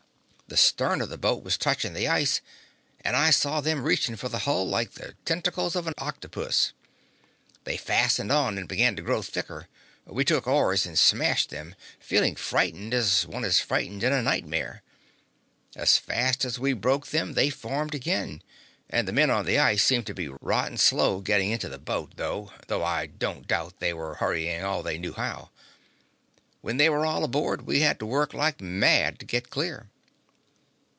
The stern of the boat was touching the ice, and I saw them reaching for the hull like the tentacles of an octopus. They fastened on and began to grow thicker. We took oars and smashed them, feeling frightened as one is frightened in a nightmare. As fast as we broke them they formed again, and the men on the ice seemed to be rotten slow getting into the boat, though I don't doubt but they were hurrying all they knew how. When they were all aboard we had to work like mad to get clear.